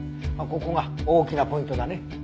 まあここが大きなポイントだね。